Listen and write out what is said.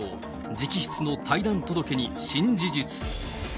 直筆の退団届に新事実。